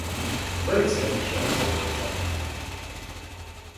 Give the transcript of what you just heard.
Бетси обещала заехать за мной.